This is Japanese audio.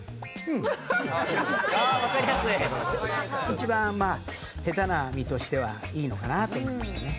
一番まあ下手な身としてはいいのかなと思いましたね。